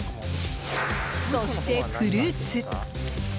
そして、フルーツ。